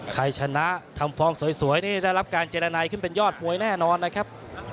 ใครชนะทำฟอร์มสวยนี่ได้รับการเจรนัยขึ้นเป็นยอดมวยแน่นอนนะครับ